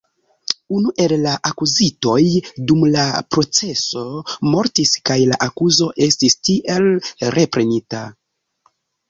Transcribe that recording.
Unu el la akuzitoj dum la proceso mortis, kaj la akuzo estis tiel reprenita.